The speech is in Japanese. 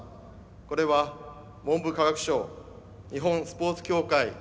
これは、文部科学省日本スポーツ協会